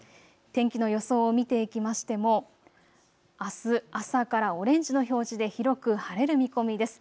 天気の予想を見ていきましてもあす朝からオレンジの表示で広く晴れる見込みです。